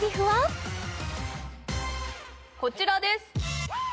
こちらです